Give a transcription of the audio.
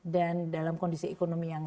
dan dalam kondisi ekonomi yang